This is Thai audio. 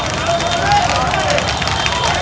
มีชะลอร์จ